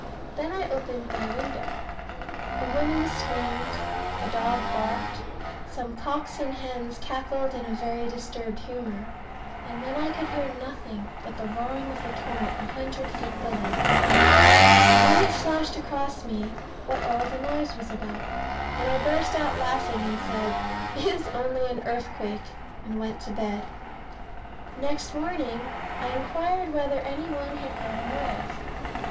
Then I opened my window a woman screamed, a dog barked, some cocks and hens cackled in a very disturbed humour, and then I could hear nothing but the roaring of the torrent a hundred feet below. And then it flashed across me what all the noise was about; and I burst out laughing and said "It is only an earthquake," and went to bed Next morning I inquired whether any one had heard a noise.